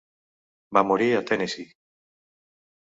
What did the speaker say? Va morir a Tennessee.